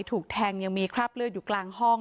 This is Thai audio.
ถูกแทงยังมีคราบเลือดอยู่กลางห้อง